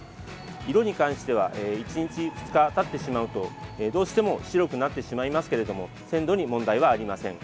色に関しては１日、２日たってしまうとどうしても白くなってしまいますけれども鮮度に問題はありません。